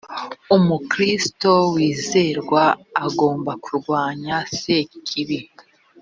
umukristokazi wizerwa agomba kurwanya sekibi